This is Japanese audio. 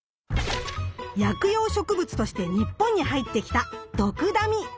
薬用植物として日本に入ってきたドクダミ。